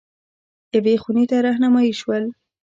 یوې خونې ته رهنمايي شول.